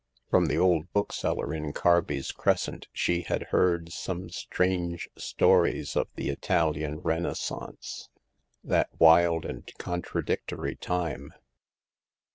From the old bookseller in Carby's Crescent she had heard some strange stories of the Italian Renaissance— that wild and contradictory time.